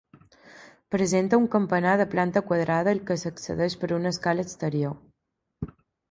Presenta un campanar de planta quadrada al que s'accedeix per una escala exterior.